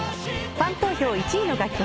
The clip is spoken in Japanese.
ファン投票１位の楽曲